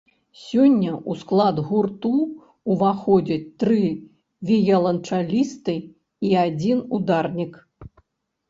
Сёння ў склад гурту ўваходзяць тры віяланчалісты і адзін ударнік.